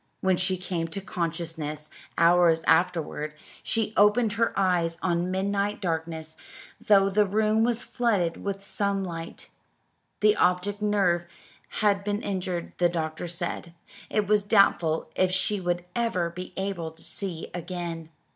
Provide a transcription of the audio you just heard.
When she came to consciousness, hours afterward, she opened her eyes on midnight darkness, though the room was flooded with sunlight. The optic nerve had been injured, the doctor said. It was doubtful if she would ever be able to see again.